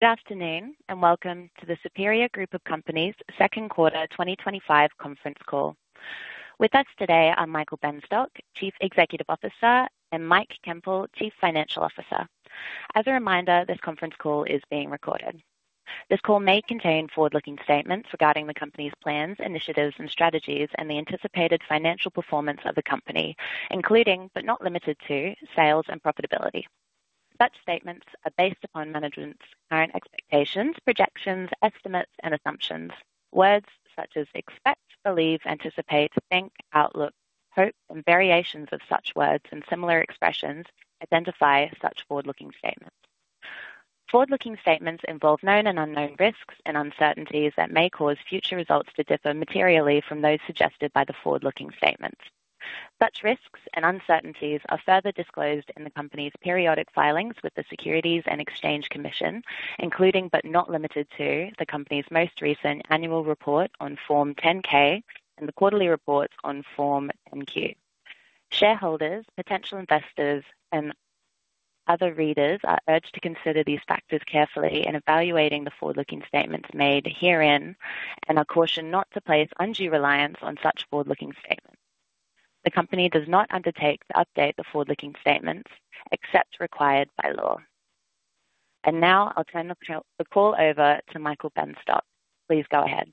Good afternoon and welcome to the Superior Group of Companies' Second Quarter 2025 Conference Call. With us today are Michael Benstock, Chief Executive Officer, and Mike Koempel, Chief Financial Officer. As a reminder, this conference call is being recorded. This call may contain forward-looking statements regarding the company's plans, initiatives, and strategies, and the anticipated financial performance of the company, including but not limited to sales and profitability. Such statements are based upon management's current expectations, projections, estimates, and assumptions. Words such as expect, believe, anticipate, think, outlook, hope, and variations of such words and similar expressions identify such forward-looking statements. Forward-looking statements involve known and unknown risks and uncertainties that may cause future results to differ materially from those suggested by the forward-looking statements. Such risks and uncertainties are further disclosed in the company's periodic filings with the Securities and Exchange Commission, including but not limited to the company's most recent annual report on Form 10-K and the quarterly reports on Form 10-Q. Shareholders, potential investors, and other readers are urged to consider these factors carefully in evaluating the forward-looking statements made herein and are cautioned not to place undue reliance on such forward-looking statements. The company does not undertake to update the forward-looking statements except as required by law. Now I'll turn the call over to Michael Benstock. Please go ahead.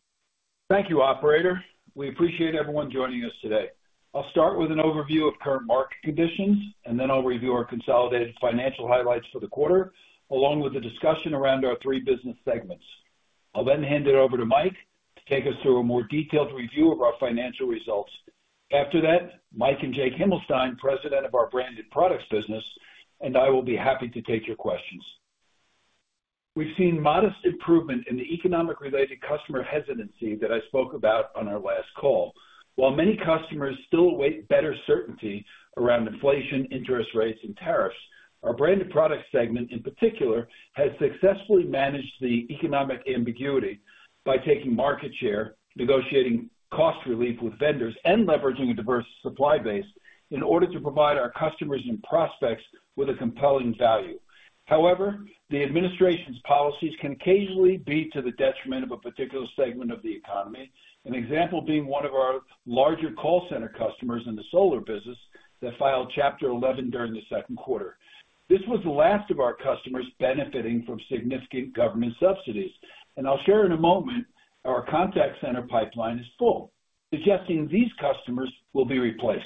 Thank you, Operator. We appreciate everyone joining us today. I'll start with an overview of current market conditions, and then I'll review our consolidated financial highlights for the quarter, along with a discussion around our three business segments. I'll then hand it over to Mike to take us through a more detailed review of our financial results. After that, Mike and Jake Himelstein, President of our Branded Products business, and I will be happy to take your questions. We've seen modest improvement in the economic-related customer hesitancy that I spoke about on our last call. While many customers still await better certainty around inflation, interest rates, and tariffs, our Branded Products segment in particular has successfully managed the economic ambiguity by taking market share, negotiating cost relief with vendors, and leveraging a diverse supply base in order to provide our customers and prospects with a compelling value. However, the administration's policies can occasionally be to the detriment of a particular segment of the economy, an example being one of our larger call center customers in the solar business that filed Chapter 11 during the second quarter. This was the last of our customers benefiting from significant government subsidies, and I'll share in a moment our Contact Center pipeline is full, suggesting these customers will be replaced.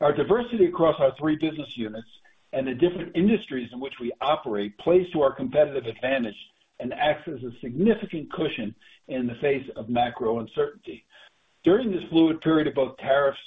Our diversity across our three business units and the different industries in which we operate plays to our competitive advantage and acts as a significant cushion in the face of macro uncertainty. During this fluid period of both tariffs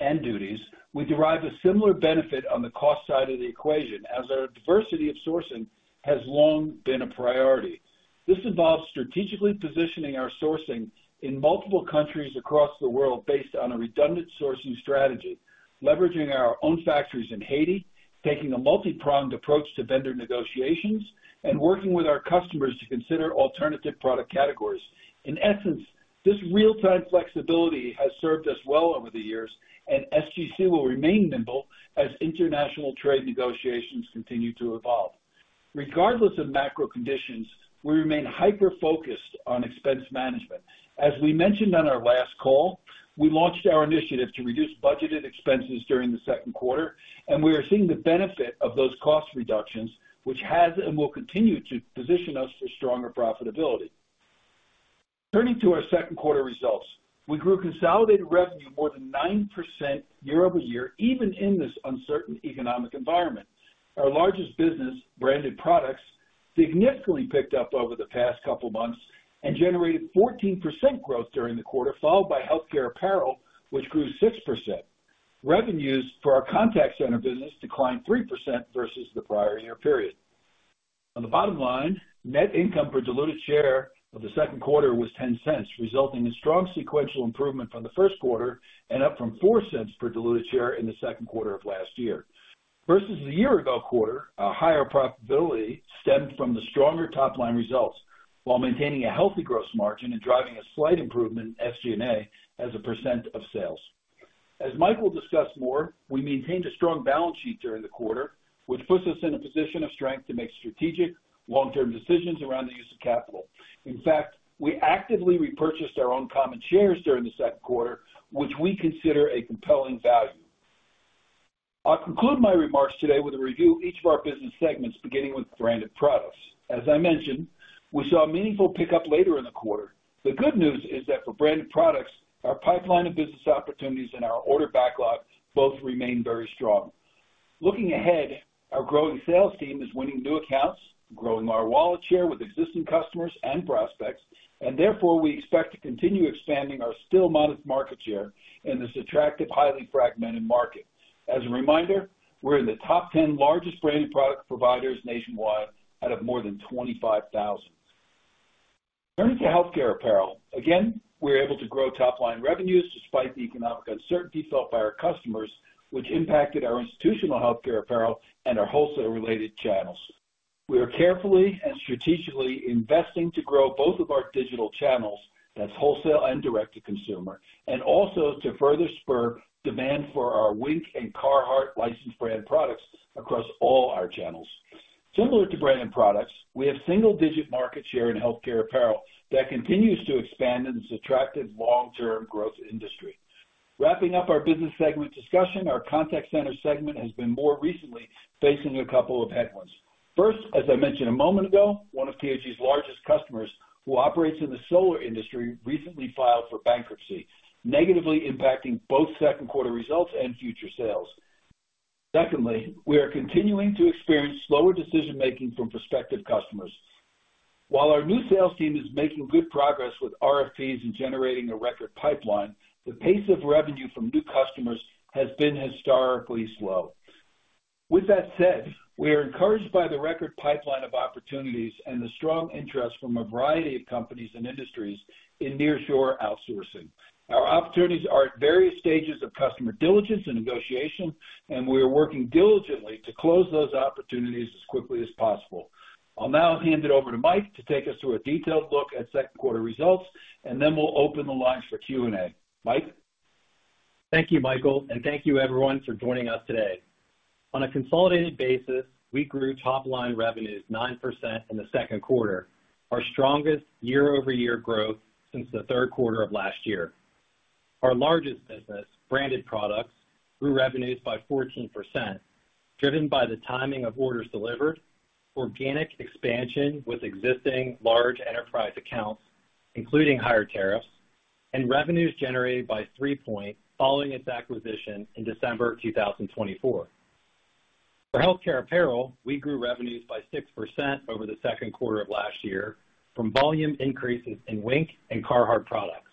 and duties, we derive a similar benefit on the cost side of the equation, as our diversity of sourcing has long been a priority. This involves strategically positioning our sourcing in multiple countries across the world based on a redundant sourcing strategy, leveraging our own factories in Haiti, taking a multipronged approach to vendor negotiations, and working with our customers to consider alternative product categories. In essence, this real-time flexibility has served us well over the years, and SGC will remain nimble as international trade negotiations continue to evolve. Regardless of macro conditions, we remain hyper-focused on expense management. As we mentioned on our last call, we launched our initiative to reduce budgeted expenses during the second quarter, and we are seeing the benefit of those cost reductions, which has and will continue to position us for stronger profitability. Turning to our second quarter results, we grew consolidated revenue more than 9% year-over-year, even in this uncertain economic environment. Our largest business, Branded Products, significantly picked up over the past couple of months and generated 14% growth during the quarter, followed by Healthcare Apparel, which grew 6%. Revenues for our Contact Center business declined 3% versus the prior year period. On the bottom line, net income per diluted share of the second quarter was $0.10, resulting in strong sequential improvement from the first quarter and up from $0.04 per diluted share in the second quarter of last year. Versus the year ago quarter, higher profitability stemmed from the stronger top-line results while maintaining a healthy gross margin and driving a slight improvement in SG&A as a percent of sales. As Mike will discuss more, we maintained a strong balance sheet during the quarter, which puts us in a position of strength to make strategic long-term decisions around the use of capital. In fact, we actively repurchased our own common shares during the second quarter, which we consider a compelling value. I'll conclude my remarks today with a review of each of our business segments, beginning with Branded Products. As I mentioned, we saw a meaningful pickup later in the quarter. The good news is that for Branded Products, our pipeline of business opportunities and our order backlog both remain very strong. Looking ahead, our growing sales team is winning new accounts, growing our wallet share with existing customers and prospects, and therefore we expect to continue expanding our still modest market share in this attractive, highly fragmented market. As a reminder, we're in the top 10 largest branded product providers nationwide out of more than 25,000. Turning to Healthcare Apparel, again, we're able to grow top-line revenues despite the economic uncertainty felt by our customers, which impacted our institutional Healthcare Apparel and our wholesale-related channels. We are carefully and strategically investing to grow both of our digital channels, that's wholesale and direct-to-consumer, and also to further spur demand for our Wink and Carhartt licensed brand products across all our channels. Similar to Branded Products, we have single-digit market share in Healthcare Apparel that continues to expand in this attractive long-term growth industry. Wrapping up our business segment discussion, our Contact Center segment has been more recently facing a couple of headwinds. First, as I mentioned a moment ago, one of TAG's largest customers, who operates in the solar industry, recently filed for bankruptcy, negatively impacting both second quarter results and future sales. Secondly, we are continuing to experience slower decision-making from prospective customers. While our new sales team is making good progress with RFPs and generating a record pipeline, the pace of revenue from new customers has been historically slow. With that said, we are encouraged by the record pipeline of opportunities and the strong interest from a variety of companies and industries in nearshore outsourcing. Our opportunities are at various stages of customer diligence and negotiation, and we are working diligently to close those opportunities as quickly as possible. I'll now hand it over to Mike to take us through a detailed look at second quarter results, and then we'll open the lines for Q&A. Mike? Thank you, Michael, and thank you everyone for joining us today. On a consolidated basis, we grew top-line revenues 9% in the second quarter, our strongest year-over-year growth since the third quarter of last year. Our largest business, Branded Products, grew revenues by 14%, driven by the timing of orders delivered, organic expansion with existing large enterprise accounts, including higher tariffs, and revenues generated by 3% following its acquisition in December 2024. For Healthcare Apparel, we grew revenues by 6% over the second quarter of last year from volume increases in Wink and Carhartt products.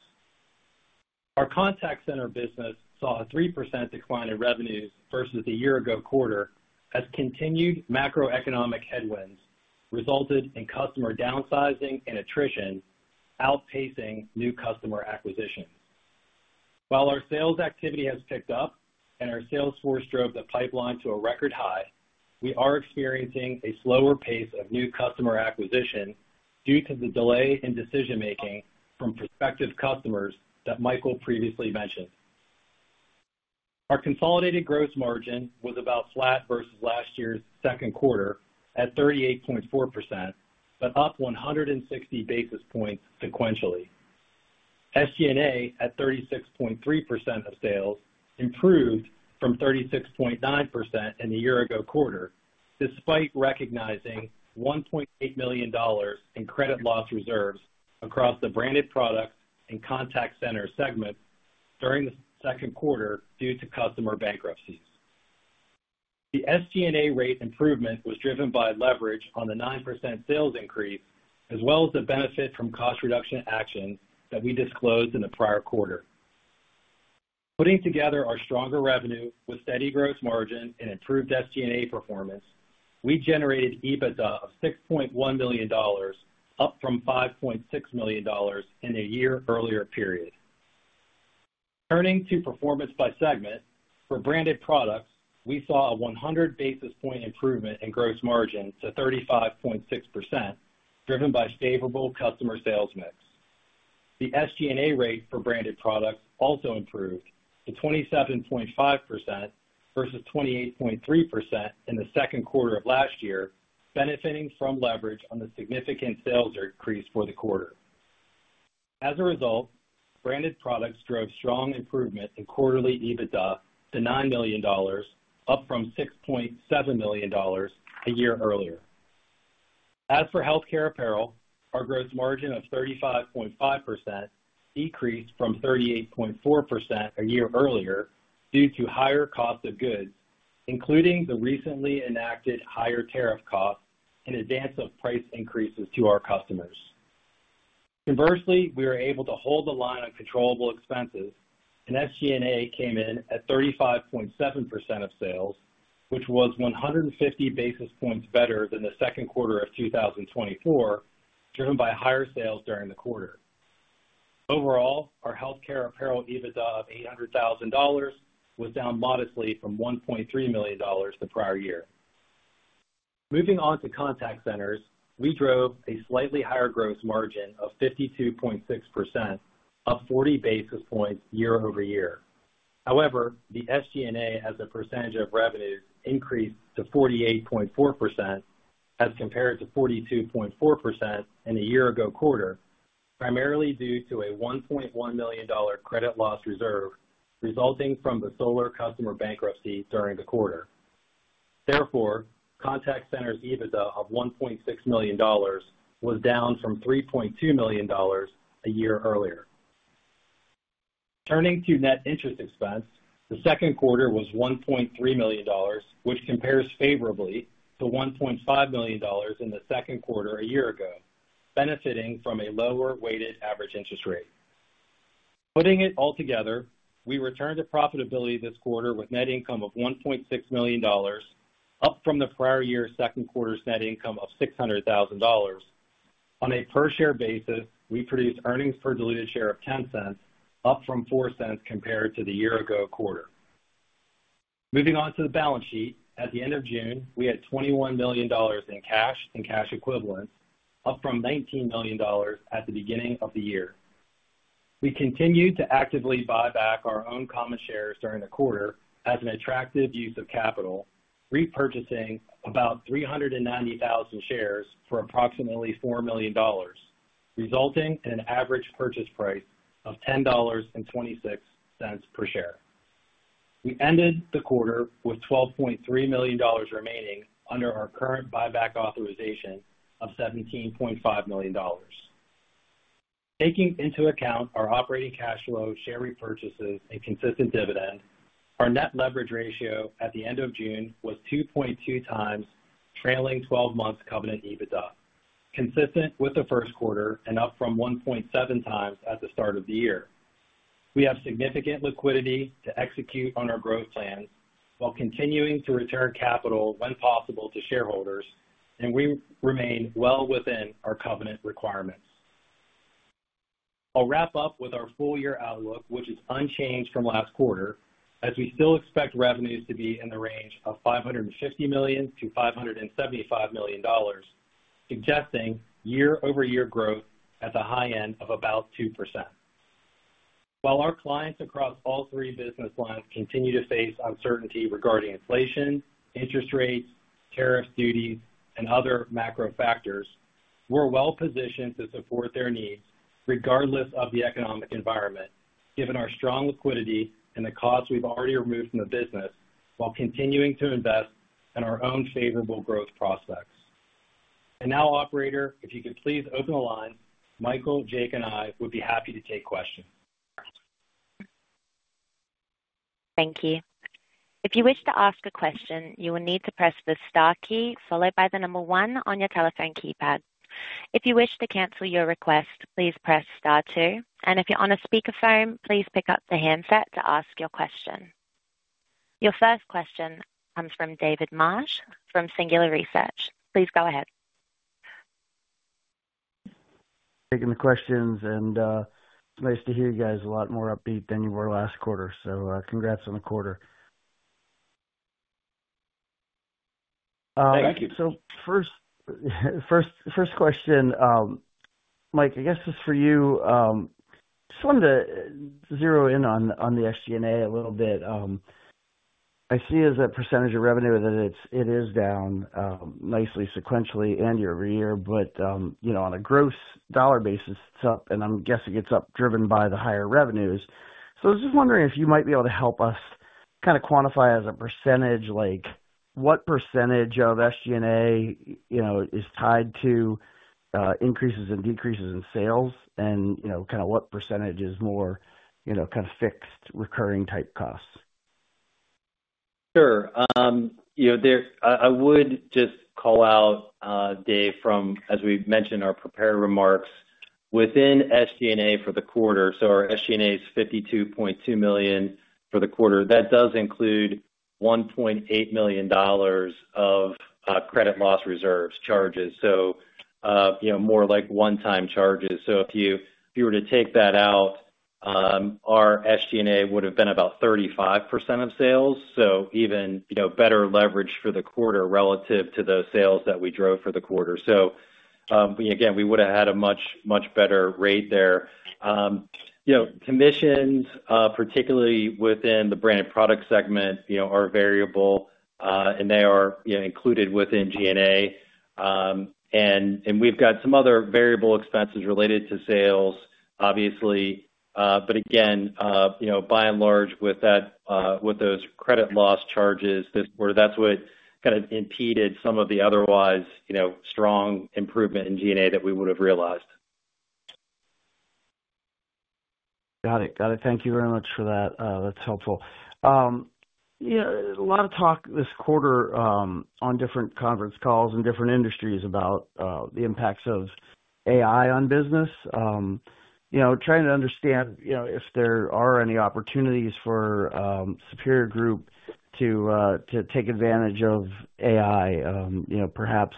Our Contact Center business saw a 3% decline in revenues versus the year-ago quarter as continued macroeconomic headwinds resulted in customer downsizing and attrition, outpacing new customer acquisition. While our sales activity has picked up and our sales force drove the pipeline to a record high, we are experiencing a slower pace of new customer acquisition due to the delay in decision-making from prospective customers that Michael previously mentioned. Our consolidated gross margin was about flat versus last year's second quarter at 38.4%, but up 160 basis points sequentially. SG&A at 36.3% of sales improved from 36.9% in the year-ago quarter, despite recognizing $1.8 million in credit loss reserves across the Branded Products and Contact Center segments during the second quarter due to customer bankruptcies. The SG&A rate improvement was driven by leverage on the 9% sales increase, as well as the benefit from cost reduction actions that we disclosed in the prior quarter. Putting together our stronger revenue with steady gross margin and improved SG&A performance, we generated EBITDA of $6.1 million, up from $5.6 million in a year earlier period. Turning to performance by segment, for Branded Products, we saw a 100 basis point improvement in gross margin to 35.6%, driven by favorable customer sales mix. The SG&A rate for Branded Products also improved to 27.5% versus 28.3% in the second quarter of last year, benefiting from leverage on the significant sales increase for the quarter. As a result, Branded Products drove strong improvement in quarterly EBITDA to $9 million, up from $6.7 million a year earlier. As for Healthcare Apparel, our gross margin of 35.5% decreased from 38.4% a year earlier due to higher costs of goods, including the recently enacted higher tariff costs in advance of price increases to our customers. Conversely, we were able to hold the line on controllable expenses, and SG&A came in at 35.7% of sales, which was 150 basis points better than the second quarter of 2024, driven by higher sales during the quarter. Overall, our Healthcare Apparel EBITDA of $800,000 was down modestly from $1.3 million the prior year. Moving on to contact centers, we drove a slightly higher gross margin of 52.6%, up 40 basis points year-over-year. However, the SG&A as a percentage of revenue increased to 48.4% as compared to 42.4% in a year-ago quarter, primarily due to a $1.1 million credit loss reserve resulting from the solar customer bankruptcy during the quarter. Therefore, contact centers' EBITDA of $1.6 million was down from $3.2 million a year earlier. Turning to net interest expense, the second quarter was $1.3 million, which compares favorably to $1.5 million in the second quarter a year ago, benefiting from a lower weighted average interest rate. Putting it all together, we returned to profitability this quarter with net income of $1.6 million, up from the prior year's second quarter's net income of $600,000. On a per share basis, we produced earnings per diluted share of $0.10, up from $0.04 compared to the year-ago quarter. Moving on to the balance sheet, at the end of June, we had $21 million in cash and cash equivalent, up from $19 million at the beginning of the year. We continued to actively buy back our own common shares during the quarter as an attractive use of capital, repurchasing about 390,000 shares for approximately $4 million, resulting in an average purchase price of $10.26 per share. We ended the quarter with $12.3 million remaining under our current buyback authorization of $17.5 million. Taking into account our operating cash flow, share repurchases, and consistent dividend, our net leverage ratio at the end of June was 2.2x trailing 12 months covenant EBITDA, consistent with the first quarter and up from 1.7x at the start of the year. We have significant liquidity to execute on our growth plans while continuing to return capital when possible to shareholders, and we remain well within our covenant requirements. I'll wrap up with our full-year outlook, which is unchanged from last quarter, as we still expect revenues to be in the range of $550 million-$575 million, suggesting year-over-year growth at the high end of about 2%. While our clients across all three business lines continue to face uncertainty regarding inflation, interest rates, tariffs, duties, and other macro factors, we're well positioned to support their needs regardless of the economic environment, given our strong liquidity and the costs we've already removed from the business while continuing to invest in our own favorable growth prospects. Operator, if you could please open the line, Michael, Jake, and I would be happy to take questions. Thank you. If you wish to ask a question, you will need to press the star key followed by the number one on your telephone keypad. If you wish to cancel your request, please press star two. If you're on a speaker phone, please pick up the handset to ask your question. Your first question comes from David Marsh from Singular Research. Please go ahead. taking the questions, and it's nice to hear you guys a lot more upbeat than you were last quarter. Congrats on the quarter. Thank you. First question, Mike, I guess this is for you. I just wanted to zero in on the SG&A a little bit. I see as a percentage of revenue that it is down nicely sequentially and year-over-year, but you know on a gross dollar basis, it's up, and I'm guessing it's up driven by the higher revenues. I was just wondering if you might be able to help us kind of quantify as a percentage, like what % of SG&A is tied to increases and decreases in sales and what percentage is more fixed recurring type costs. Sure. I would just call out, Dave, as we mentioned, our prepared remarks within SG&A for the quarter. Our SG&A is $52.2 million for the quarter. That does include $1.8 million of credit loss reserves charges, more like one-time charges. If you were to take that out, our SG&A would have been about 35% of sales, even better leverage for the quarter relative to those sales that we drove for the quarter. We would have had a much, much better rate there. Commissions, particularly within the Branded Products segment, are variable, and they are included within G&A. We've got some other variable expenses related to sales, obviously, but by and large, with those credit loss charges, that's what kind of impeded some of the otherwise strong improvement in G&A that we would have realized. Got it. Thank you very much for that. That's helpful. You know, a lot of talk this quarter on different conference calls and different industries about the impacts of AI on business. Trying to understand if there are any opportunities for Superior Group to take advantage of AI, perhaps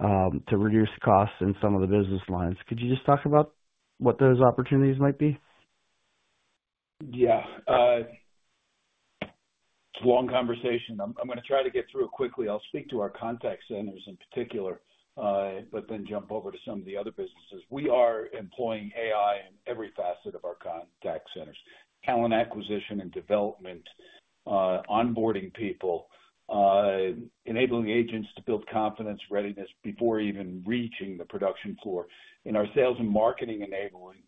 to reduce the costs in some of the business lines. Could you just talk about what those opportunities might be? Yeah. It's a long conversation. I'm going to try to get through it quickly. I'll speak to our Contact Center in particular, but then jump over to some of the other businesses. We are employing AI in every facet of our Contact Center: talent acquisition and development, onboarding people, enabling agents to build confidence, readiness before even reaching the production floor. In our sales and marketing enablement,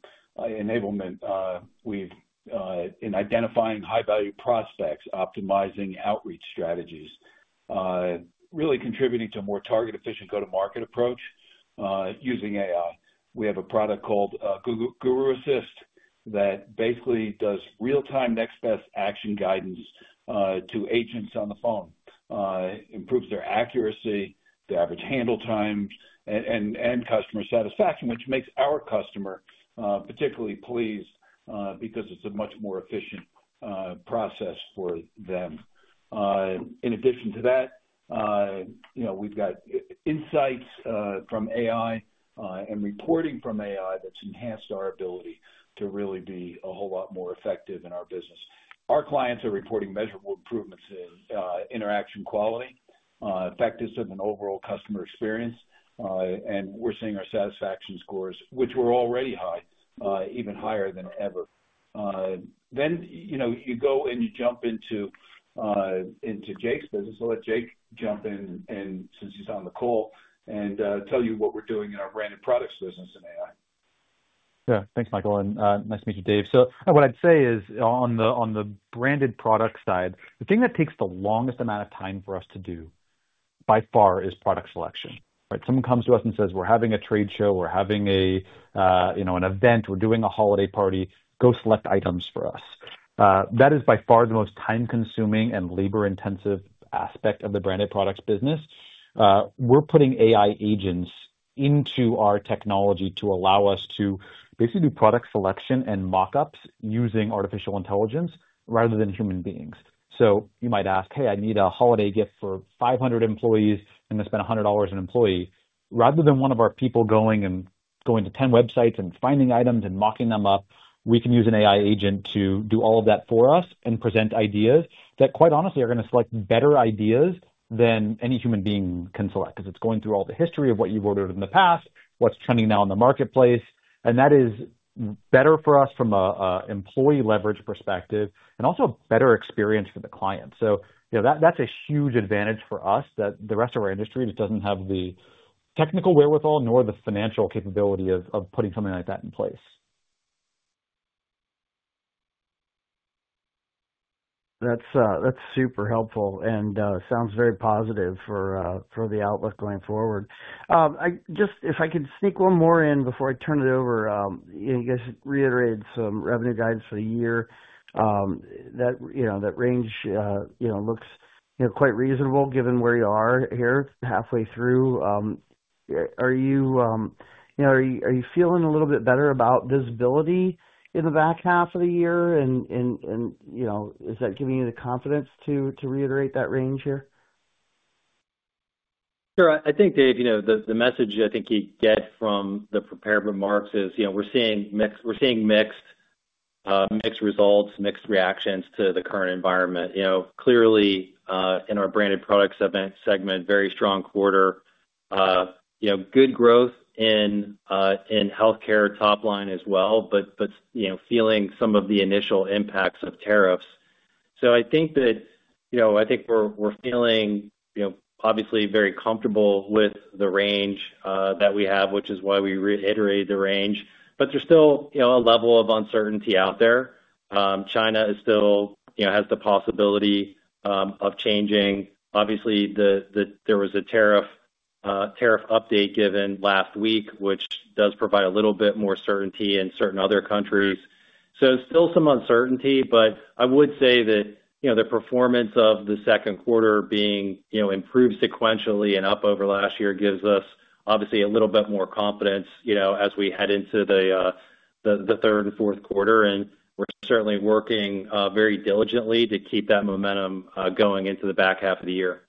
we've been identifying high-value prospects, optimizing outreach strategies, really contributing to a more target-efficient go-to-market approach using AI. We have a product called GuruAssist that basically does real-time next-best action guidance to agents on the phone, improves their accuracy, the average handle time, and customer satisfaction, which makes our customer particularly pleased because it's a much more efficient process for them. In addition to that, you know we've got insights from AI and reporting from AI that's enhanced our ability to really be a whole lot more effective in our business. Our clients are reporting measurable improvements in interaction quality, effectiveness, and overall customer experience, and we're seeing our satisfaction scores, which were already high, even higher than ever. You go and you jump into Jake's business. I'll let Jake jump in, and since he's on the call, tell you what we're doing in our Branded Products business in AI. Yeah. Thanks, Michael, and nice to meet you, Dave. What I'd say is on the branded products side, the thing that takes the longest amount of time for us to do by far is product selection. Someone comes to us and says, "We're having a trade show. We're having a, you know, an event. We're doing a holiday party. Go select items for us." That is by far the most time-consuming and labor-intensive aspect of the branded products business. We're putting AI agents into our technology to allow us to basically do product selection and mockups using artificial intelligence rather than human beings. You might ask, "Hey, I need a holiday gift for 500 employees, and I'm going to spend $100 on an employee." Rather than one of our people going and going to 10 websites and finding items and mocking them up, we can use an AI agent to do all of that for us and present ideas that quite honestly are going to select better ideas than any human being can select because it's going through all the history of what you've ordered in the past, what's trending now in the marketplace. That is better for us from an employee leverage perspective and also a better experience for the client. You know that's a huge advantage for us that the rest of our industry just doesn't have the technical wherewithal nor the financial capability of putting something like that in place. That's super helpful and sounds very positive for the outlook going forward. If I could sneak one more in before I turn it over, you guys reiterated some revenue guidance for the year. That range looks quite reasonable given where you are here halfway through. Are you feeling a little bit better about visibility in the back half of the year? Is that giving you the confidence to reiterate that range here? Sure. I think, Dave, the message you get from the prepared remarks is we're seeing mixed results, mixed reactions to the current environment. Clearly, in our Branded Products segment, very strong quarter. Good growth in healthcare top line as well, but feeling some of the initial impacts of tariffs. I think that we're feeling obviously very comfortable with the range that we have, which is why we reiterated the range. There's still a level of uncertainty out there. China still has the possibility of changing. Obviously, there was a tariff update given last week, which does provide a little bit more certainty in certain other countries. Still some uncertainty, but I would say that the performance of the second quarter being improved sequentially and up over last year gives us obviously a little bit more confidence as we head into the third and fourth quarter. We're certainly working very diligently to keep that momentum going into the back half of the year.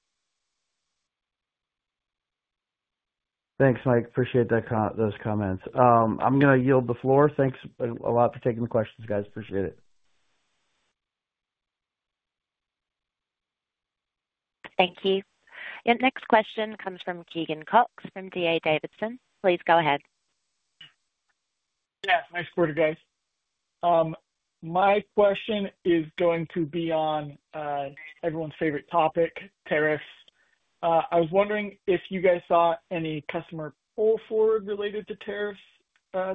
Thanks, Mike. Appreciate those comments. I'm going to yield the floor. Thanks a lot for taking the questions, guys. Appreciate it. Thank you. The next question comes from Keegan Cox from D.A. Davidson. Please go ahead. Yeah. Nice quarter, guys. My question is going to be on everyone's favorite topic, tariffs. I was wondering if you guys saw any customer pull forward related to tariffs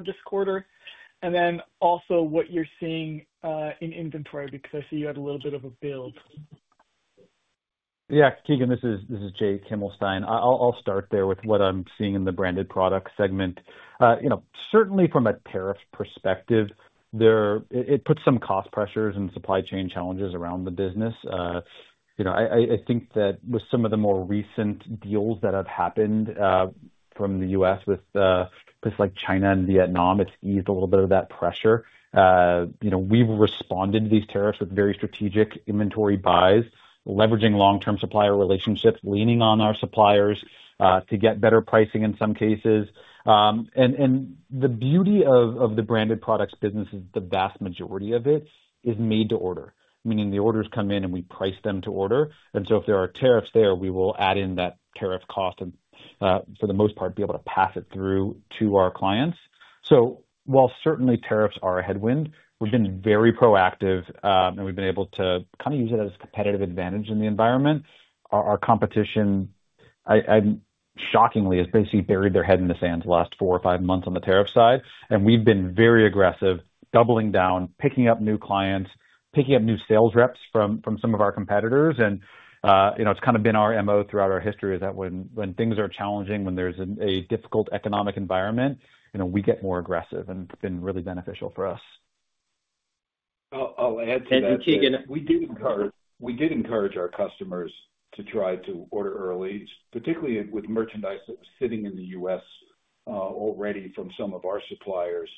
this quarter, and then also what you're seeing in inventory because I see you had a little bit of a build. Yeah. Keegan, this is Jake Himelstein. I'll start there with what I'm seeing in the Branded Products segment. Certainly from a tariffs perspective, it puts some cost pressures and supply chain challenges around the business. I think that with some of the more recent deals that have happened from the U.S. with places like China and Vietnam, it's eased a little bit of that pressure. We've responded to these tariffs with very strategic inventory buys, leveraging long-term supplier relationships, leaning on our suppliers to get better pricing in some cases. The beauty of the Branded Products business is the vast majority of it is made to order, meaning the orders come in and we price them to order. If there are tariffs there, we will add in that tariff cost and for the most part be able to pass it through to our clients. While certainly tariffs are a headwind, we've been very proactive and we've been able to kind of use it as a competitive advantage in the environment. Our competition, shockingly, has basically buried their head in the sand the last four or five months on the tariff side. We've been very aggressive, doubling down, picking up new clients, picking up new sales reps from some of our competitors. It's kind of been our MO throughout our history that when things are challenging, when there's a difficult economic environment, we get more aggressive and it's been really beneficial for us. I'll add to that. And Keegan. We did encourage our customers to try to order early, particularly with merchandise that was sitting in the U.S. already from some of our suppliers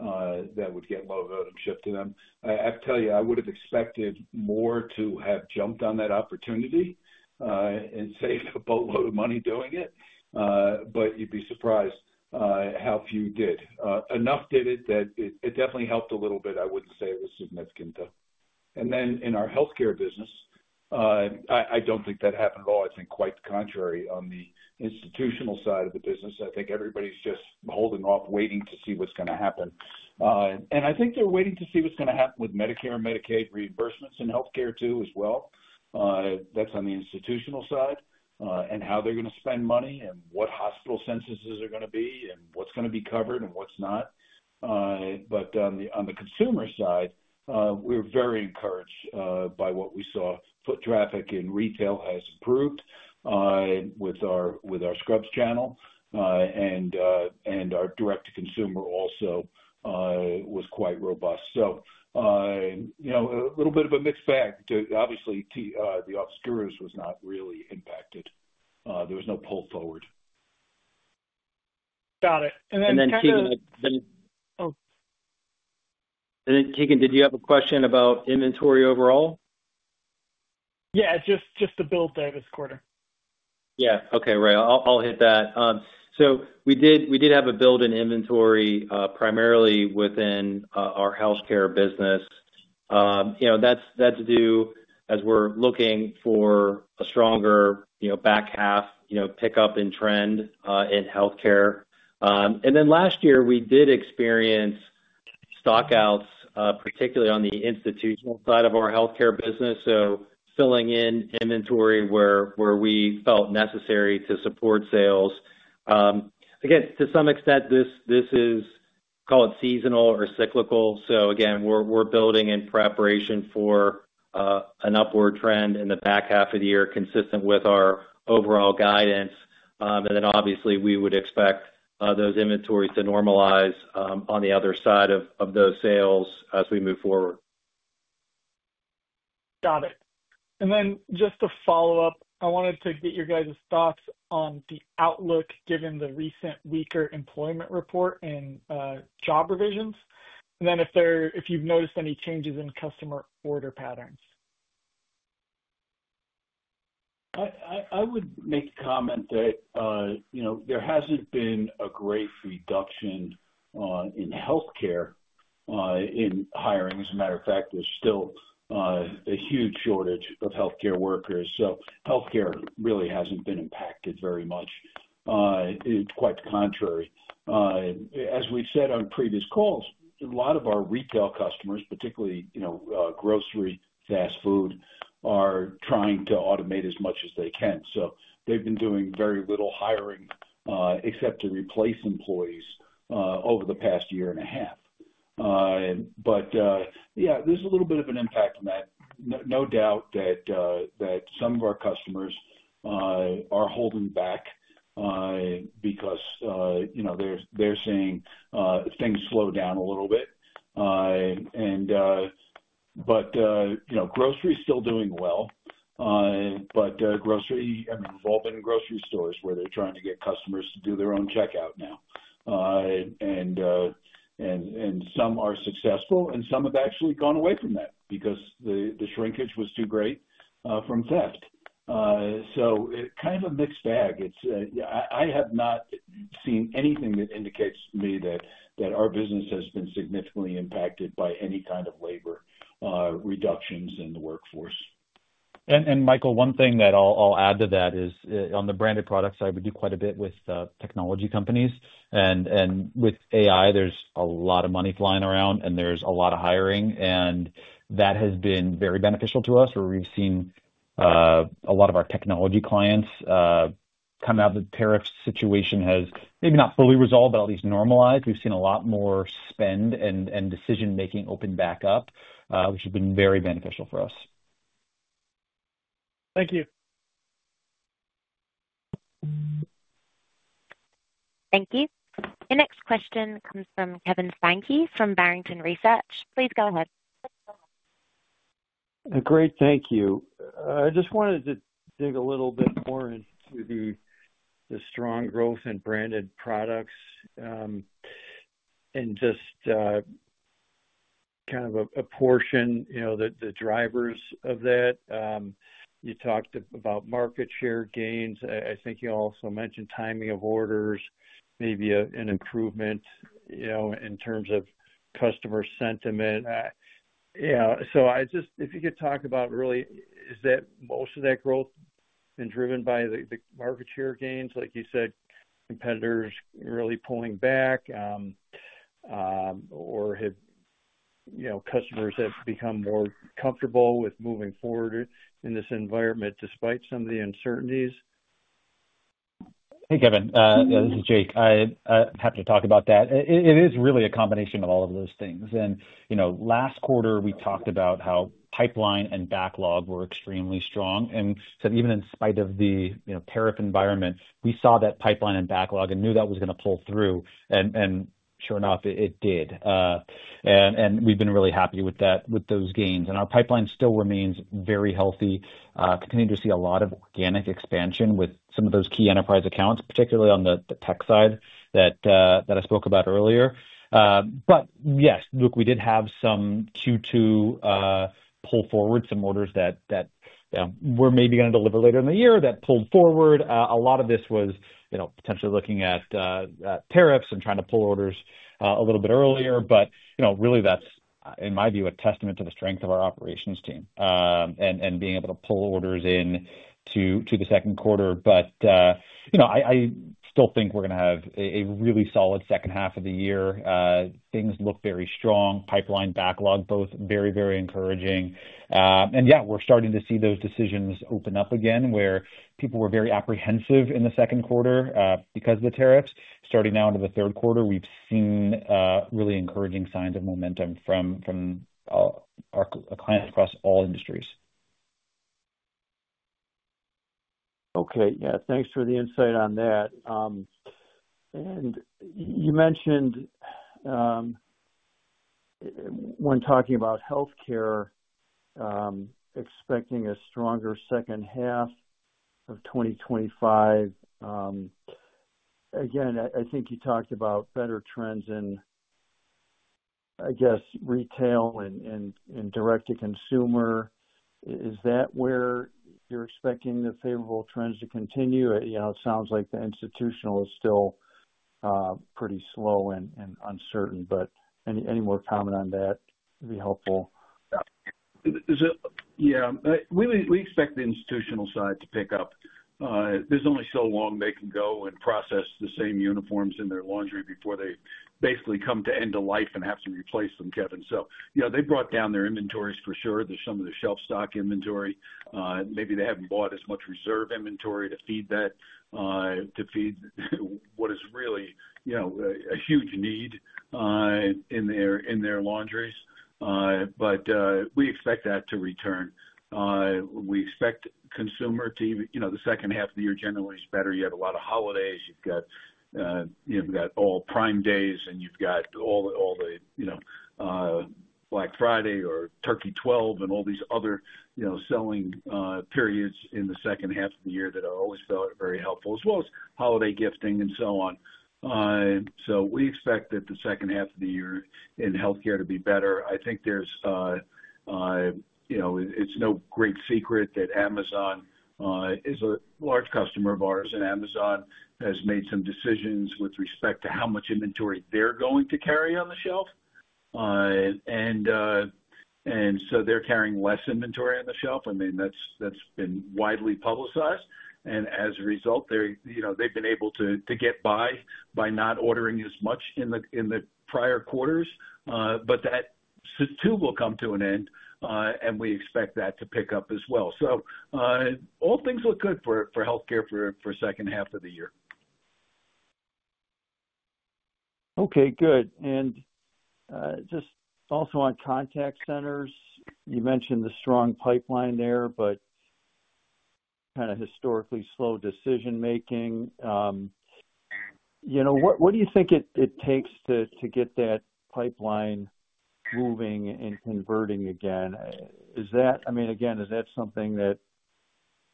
that would get low-volume shipped to them. I have to tell you, I would have expected more to have jumped on that opportunity and saved a boatload of money doing it, but you'd be surprised how few did. Enough did it that it definitely helped a little bit. I wouldn't say it was significant, though. In our Healthcare Apparel business, I don't think that happened at all. Quite the contrary. On the institutional side of the business, I think everybody's just holding off, waiting to see what's going to happen. I think they're waiting to see what's going to happen with Medicare and Medicaid reimbursements in healthcare too as well. That's on the institutional side and how they're going to spend money and what hospital censuses are going to be and what's going to be covered and what's not. On the consumer side, we were very encouraged by what we saw. Foot traffic in retail has improved with our scrubs channel, and our direct-to-consumer also was quite robust. A little bit of a mixed bag. Obviously, the off-screws was not really impacted. There was no pull forward. Got it. Keegan. Keegan, did you have a question about inventory overall? Yeah, just the build there this quarter. Okay. Right. I'll hit that. We did have a build in inventory primarily within our healthcare business. That's due as we're looking for a stronger back half pickup in trend in healthcare. Last year, we did experience stockouts, particularly on the institutional side of our healthcare business, so filling in inventory where we felt necessary to support sales. To some extent, this is, call it, seasonal or cyclical. We're building in preparation for an upward trend in the back half of the year consistent with our overall guidance. Obviously, we would expect those inventories to normalize on the other side of those sales as we move forward. Got it. Just to follow up, I wanted to get your guys' thoughts on the outlook given the recent weaker employment report and job revisions. Have you noticed any changes in customer order patterns? I would make a comment that there hasn't been a great reduction in healthcare in hiring. As a matter of fact, there's still a huge shortage of healthcare workers. So healthcare really hasn't been impacted very much. It's quite the contrary. As we've said on previous calls, a lot of our retail customers, particularly grocery, fast food, are trying to automate as much as they can. They've been doing very little hiring except to replace employees over the past year and a half. There's a little bit of an impact on that. No doubt that some of our customers are holding back because they're seeing things slow down a little bit. Grocery is still doing well. I'm involved in grocery stores where they're trying to get customers to do their own checkout now. Some are successful, and some have actually gone away from that because the shrinkage was too great from theft. It's kind of a mixed bag. I have not seen anything that indicates to me that our business has been significantly impacted by any kind of labor reductions in the workforce. Michael, one thing that I'll add to that is on the Branded Products side, we do quite a bit with technology companies. With AI, there's a lot of money flying around, and there's a lot of hiring. That has been very beneficial to us, where we've seen a lot of our technology clients come out of the tariff situation. It has maybe not fully resolved, but at least normalized. We've seen a lot more spend and decision-making open back up, which has been very beneficial for us. Thank you. Thank you. The next question comes from Kevin Steinke from Barrington Research. Please go ahead. Great. Thank you. I just wanted to dig a little bit more into the strong growth in Branded Products and just kind of apportion the drivers of that. You talked about market share gains. I think you also mentioned timing of orders, maybe an improvement in terms of customer sentiment. I just, if you could talk about really, is most of that growth been driven by the market share gains? Like you said, competitors really pulling back, or have customers become more comfortable with moving forward in this environment despite some of the uncertainties? Hey, Kevin. This is Jake. I'm happy to talk about that. It is really a combination of all of those things. Last quarter, we talked about how pipeline and backlog were extremely strong. Even in spite of the tariff environment, we saw that pipeline and backlog and knew that was going to pull through. Sure enough, it did. We've been really happy with those gains. Our pipeline still remains very healthy, continuing to see a lot of organic expansion with some of those key enterprise accounts, particularly on the tech side that I spoke about earlier. Yes, we did have some Q2 pull forward, some orders that were maybe going to deliver later in the year that pulled forward. A lot of this was potentially looking at tariffs and trying to pull orders a little bit earlier. Really, that's, in my view, a testament to the strength of our operations team and being able to pull orders into the second quarter. I still think we're going to have a really solid second half of the year. Things look very strong. Pipeline backlog both very, very encouraging. We're starting to see those decisions open up again where people were very apprehensive in the second quarter because of the tariffs. Starting now into the third quarter, we've seen really encouraging signs of momentum from our clients across all industries. Okay. Yeah, thanks for the insight on that. You mentioned when talking about healthcare expecting a stronger second half of 2025. I think you talked about better trends in, I guess, retail and direct-to-consumer. Is that where you're expecting the favorable trends to continue? It sounds like the institutional is still pretty slow and uncertain. Any more comment on that would be helpful. Yeah. We expect the institutional side to pick up. There's only so long they can go and process the same uniforms in their laundry before they basically come to end of life and have to replace them, Kevin. They brought down their inventories for sure. There's some of the shelf stock inventory. Maybe they haven't bought as much reserve inventory to feed that, to feed what is really a huge need in their laundries. We expect that to return. We expect consumer to, you know, the second half of the year generally is better. You had a lot of holidays. You've got all Prime Days and you've got all the, you know, Black Friday or Turkey 12 and all these other selling periods in the second half of the year that I always felt very helpful, as well as holiday gifting and so on. We expect that the second half of the year in healthcare to be better. I think there's, you know, it's no great secret that Amazon is a large customer of ours, and Amazon has made some decisions with respect to how much inventory they're going to carry on the shelf. They're carrying less inventory on the shelf. I mean, that's been widely publicized. As a result, they've been able to get by by not ordering as much in the prior quarters. That, too, will come to an end, and we expect that to pick up as well. All things look good for healthcare for the second half of the year. Okay. Good. Also, on Contact Centers, you mentioned the strong pipeline there, but kind of historically slow decision-making. What do you think it takes to get that pipeline moving and converting again? Is that something that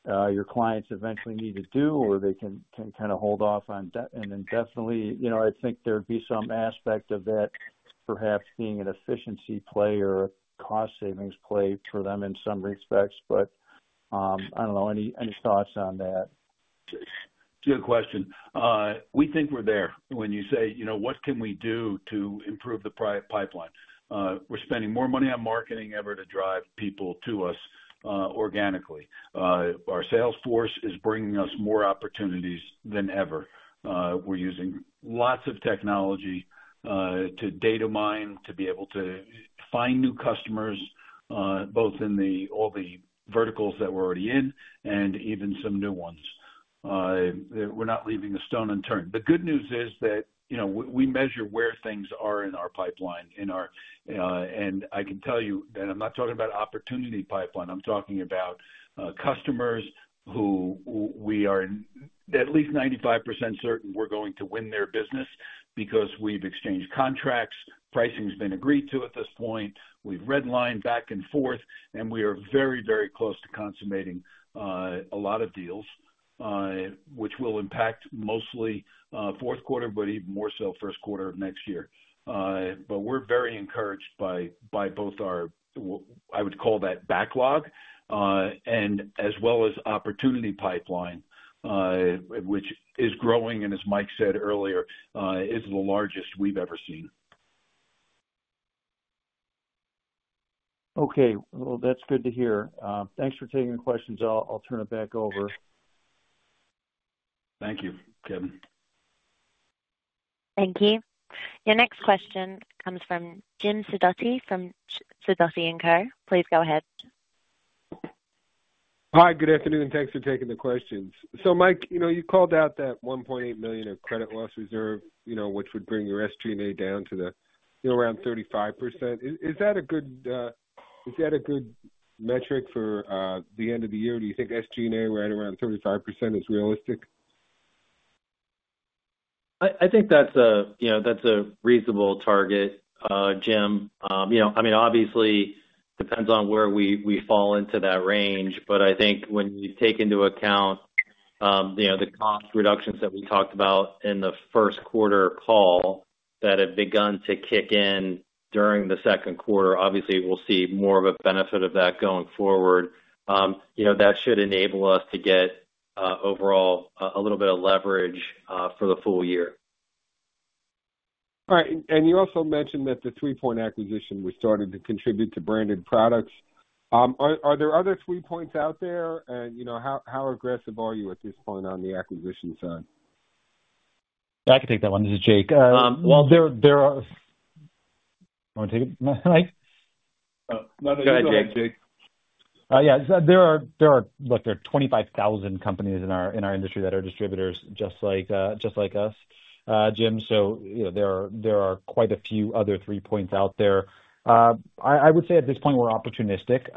your clients eventually need to do, or they can kind of hold off on that? I think there'd be some aspect of that perhaps being an efficiency play or a cost-savings play for them in some respects. Any thoughts on that? It's a good question. We think we're there when you say, you know, what can we do to improve the pipeline? We're spending more money on marketing than ever to drive people to us organically. Our sales force is bringing us more opportunities than ever. We're using lots of technology to data mine to be able to find new customers, both in all the verticals that we're already in and even some new ones. We're not leaving a stone unturned. The good news is that we measure where things are in our pipeline. I can tell you that I'm not talking about opportunity pipeline. I'm talking about customers who we are at least 95% certain we're going to win their business because we've exchanged contracts, pricing has been agreed to at this point, we've redlined back and forth, and we are very, very close to consummating a lot of deals, which will impact mostly fourth quarter, even more so first quarter of next year. We're very encouraged by both our, I would call that backlog, as well as opportunity pipeline, which is growing, and as Mike said earlier, is the largest we've ever seen. Okay, that's good to hear. Thanks for taking the questions. I'll turn it back over. Thank you, Kevin. Thank you. Your next question comes from Jim Sidoti from Sidoti & Co. Please go ahead. Hi. Good afternoon. Thanks for taking the questions. Mike, you called out that $1.8 million of credit loss reserve, which would bring your SG&A down to around 35%. Is that a good metric for the end of the year? Do you think SG&A right around 35% is realistic? I think that's a reasonable target, Jim. Obviously, it depends on where we fall into that range. I think when you take into account the cost reductions that we talked about in the first quarter call that have begun to kick in during the second quarter, we'll see more of a benefit of that going forward. That should enable us to get overall a little bit of leverage for the full year. All right. You also mentioned that the 3Point acquisition was starting to contribute to Branded Products. Are there other 3Points out there, and you know, how aggressive are you at this point on the acquisition side? I can take that one. This is Jake. There are. Want to take it? Go ahead, Jake. Yeah. There are 25,000 companies in our industry that are distributors just like us, Jim. There are quite a few other 3Points out there. I would say at this point, we're opportunistic.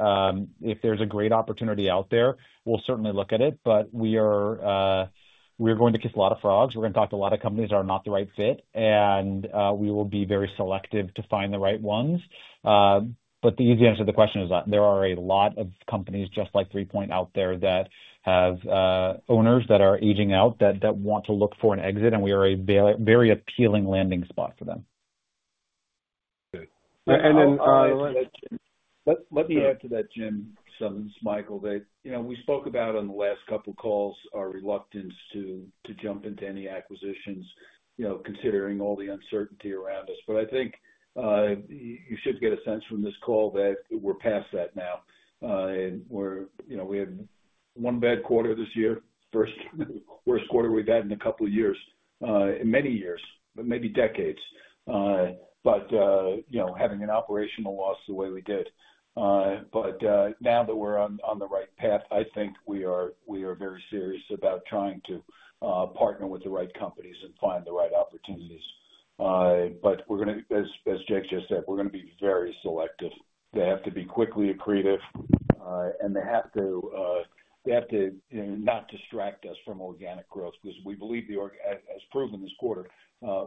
If there's a great opportunity out there, we'll certainly look at it. We are going to kiss a lot of frogs. We're going to talk to a lot of companies that are not the right fit, and we will be very selective to find the right ones. The easy answer to the question is that there are a lot of companies just like 3Point out there that have owners that are aging out that want to look for an exit, and we are a very appealing landing spot for them. Good. Let me add to that, Jim [Simmons], Michael [here]. You know we spoke about on the last couple of calls our reluctance to jump into any acquisitions, you know, considering all the uncertainty around us. I think you should get a sense from this call that we're past that now. We're, you know, we had one bad quarter this year, first worst quarter we've had in a couple of years, in many years, maybe decades, but you know, having an operational loss the way we did. Now that we're on the right path, I think we are very serious about trying to partner with the right companies and find the right opportunities. We're going to, as Jake just said, be very selective. They have to be quickly accretive, and they have to not distract us from organic growth because we believe, as proven this quarter,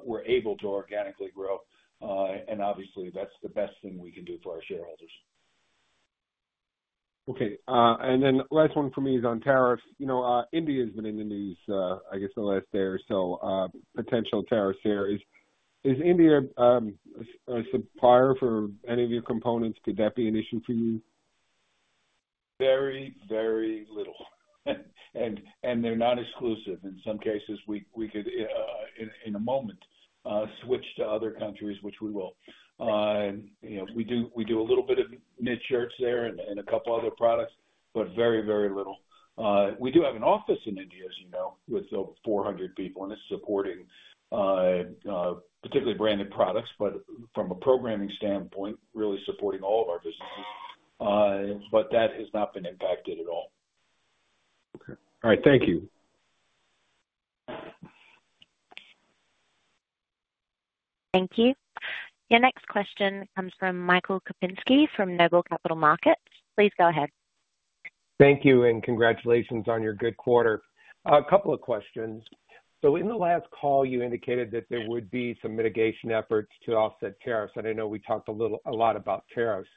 we're able to organically grow. Obviously, that's the best thing we can do for our shareholders. Okay. The last one for me is on tariff. You know, India has been in the news, I guess, the last day or so. Potential tariffs there. Is India a supplier for any of your components? Could that be an issue for you? Very, very little. They're not exclusive. In some cases, we could, in a moment, switch to other countries, which we will. We do a little bit of knit shirts there and a couple of other products, but very, very little. We do have an office in India, as you know, with over 400 people, and it's supporting particularly Branded Products, but from a programming standpoint, really supporting all of our businesses. That has not been impacted at all. Okay. All right. Thank you. Thank you. Your next question comes from Michael Kupinski from Noble Capital Markets. Please go ahead. Thank you, and congratulations on your good quarter. A couple of questions. In the last call, you indicated that there would be some mitigation efforts to offset tariffs. I know we talked a lot about tariffs,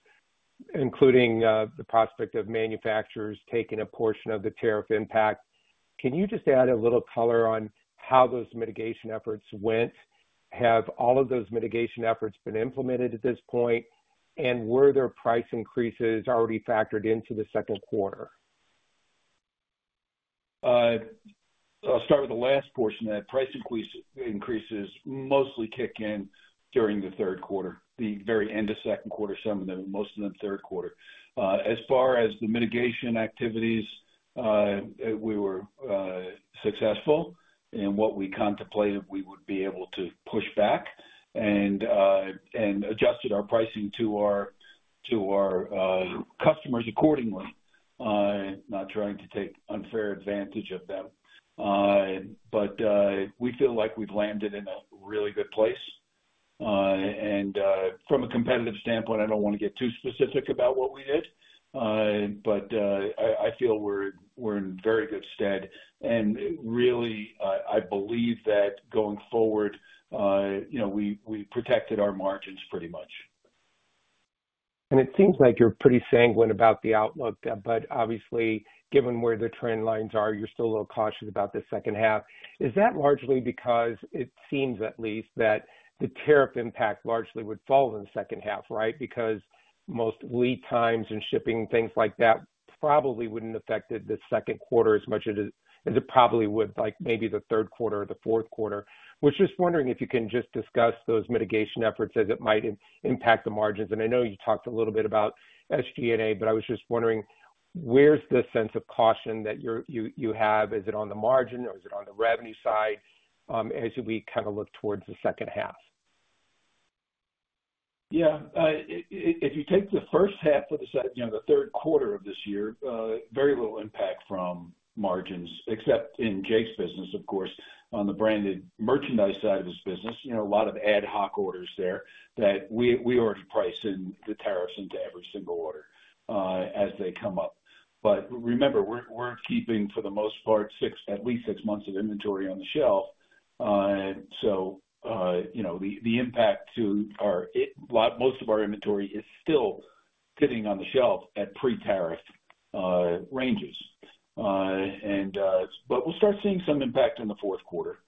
including the prospect of manufacturers taking a portion of the tariff impact. Can you just add a little color on how those mitigation efforts went? Have all of those mitigation efforts been implemented at this point? Were there price increases already factored into the second quarter? I'll start with the last portion of that. Price increases mostly kick in during the third quarter, the very end of the second quarter, some of them, most of them third quarter. As far as the mitigation activities, we were successful in what we contemplated we would be able to push back and adjusted our pricing to our customers accordingly, not trying to take unfair advantage of them. We feel like we've landed in a really good place. From a competitive standpoint, I don't want to get too specific about what we did, but I feel we're in very good stead. I believe that going forward, you know, we protected our margins pretty much. It seems like you're pretty sanguine about the outlook. Obviously, given where the trend lines are, you're still a little cautious about the second half. Is that largely because it seems at least that the tariff impact largely would fall in the second half, right? Most lead times and shipping and things like that probably wouldn't affect the second quarter as much as it probably would, like maybe the third quarter or the fourth quarter. I was just wondering if you can just discuss those mitigation efforts as it might impact the margins. I know you talked a little bit about SG&A, but I was just wondering, where's the sense of caution that you have? Is it on the margin or is it on the revenue side as we kind of look towards the second half? Yeah. If you take the first half of the second, you know, the third quarter of this year, very little impact from margins, except in Jake's business, of course, on the branded merchandise side of his business. You know, a lot of ad hoc orders there that we are pricing the tariffs into every single order as they come up. Remember, we're keeping, for the most part, at least six months of inventory on the shelf. You know, the impact to most of our inventory is still sitting on the shelf at pre-tariff ranges. We'll start seeing some impact in the fourth quarter.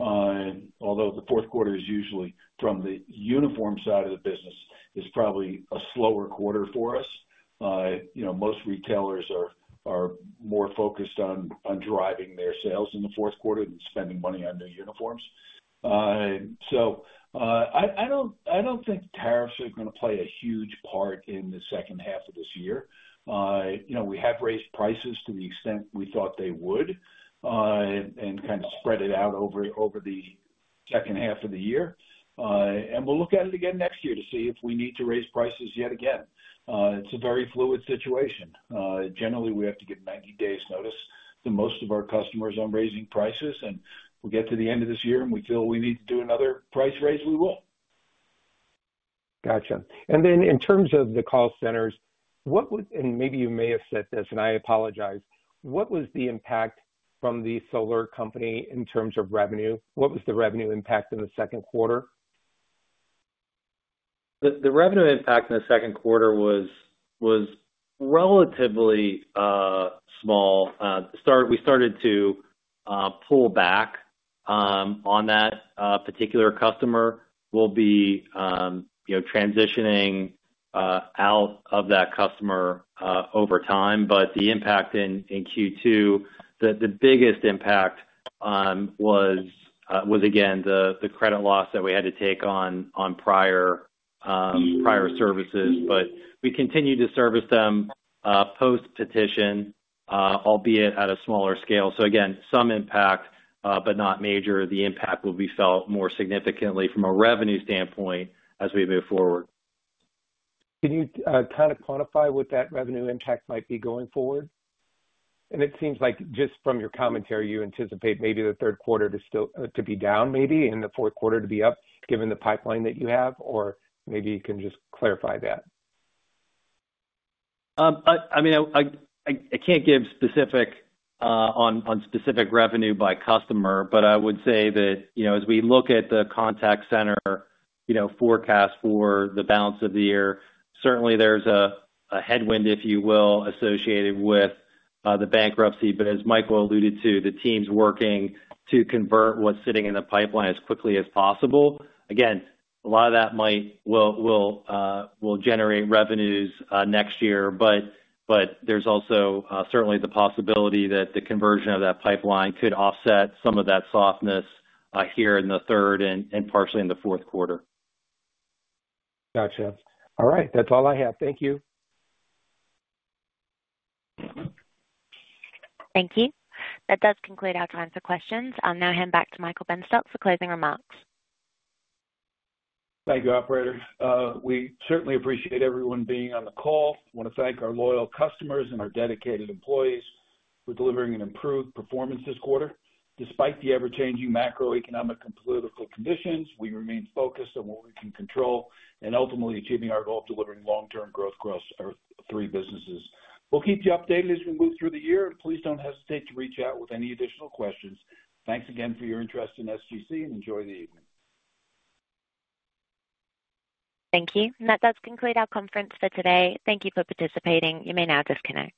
Although the fourth quarter is usually from the uniform side of the business, it's probably a slower quarter for us. Most retailers are more focused on driving their sales in the fourth quarter and spending money on new uniforms. I don't think tariffs are going to play a huge part in the second half of this year. We have raised prices to the extent we thought they would and kind of spread it out over the second half of the year. We'll look at it again next year to see if we need to raise prices yet again. It's a very fluid situation. Generally, we have to give 90 days' notice to most of our customers on raising prices. We'll get to the end of this year, and if we feel we need to do another price raise, we will. Gotcha. In terms of the Contact Centers, what was, and maybe you may have said this, and I apologize, what was the impact from the solar company in terms of revenue? What was the revenue impact in the second quarter? The revenue impact in the second quarter was relatively small. We started to pull back on that particular customer. We'll be transitioning out of that customer over time. The impact in Q2, the biggest impact was, again, the credit loss that we had to take on prior services. We continued to service them post-petition, albeit at a smaller scale. Again, some impact, but not major. The impact will be felt more significantly from a revenue standpoint as we move forward. Can you kind of quantify what that revenue impact might be going forward? It seems like just from your commentary, you anticipate maybe the third quarter to be down, maybe, and the fourth quarter to be up given the pipeline that you have, or maybe you can just clarify that. I mean, I can't give specifics on specific revenue by customer, but I would say that, you know, as we look at the Contact Center forecast for the balance of the year, certainly there's a headwind, if you will, associated with the bankruptcy. As Michael alluded to, the team's working to convert what's sitting in the pipeline as quickly as possible. Again, a lot of that might generate revenues next year, but there's also certainly the possibility that the conversion of that pipeline could offset some of that softness here in the third and partially in the fourth quarter. Gotcha. All right. That's all I have. Thank you. Thank you. That does conclude our time for questions. I'll now hand back to Michael Benstock for closing remarks. Thank you, Operator. We certainly appreciate everyone being on the call. I want to thank our loyal customers and our dedicated employees for delivering an improved performance this quarter. Despite the ever-changing macroeconomic and political conditions, we remain focused on what we can control and ultimately achieving our goal of delivering long-term growth across our three businesses. We'll keep you updated as we move through the year, and please don't hesitate to reach out with any additional questions. Thanks again for your interest in SGC and enjoy the evening. Thank you. That does conclude our conference for today. Thank you for participating. You may now disconnect.